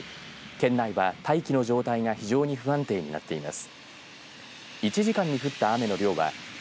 県内は大気の状態が非常に不安定になっています。